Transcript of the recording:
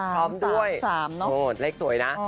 โหเลขสวยนะ